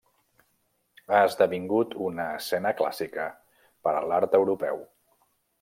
Ha esdevingut una escena clàssica per a l'art europeu.